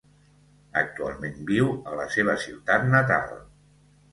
Actualment viu a la seva ciutat natal.